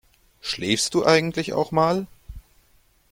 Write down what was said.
Schläfst du eigentlich auch mal?